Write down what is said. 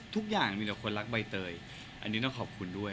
ทุกอย่างมีแต่คนรักใบเตยอันนี้ต้องขอบคุณด้วย